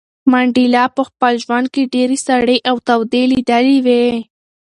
منډېلا په خپل ژوند کې ډېرې سړې او تودې لیدلې وې.